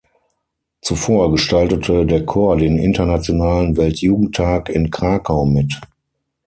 Zuvor gestaltete der Chor den internationalen Weltjugendtag in Krakau mit.